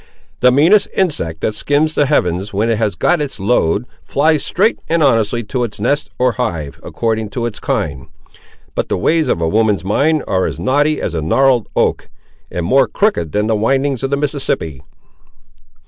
"The meanest insect that skims the heavens, when it has got its load, flies straight and honestly to its nest or hive, according to its kind; but the ways of a woman's mind are as knotty as a gnarled oak, and more crooked than the windings of the Mississippi!"